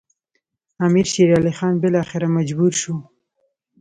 امیر شېر علي خان بالاخره مجبور شو.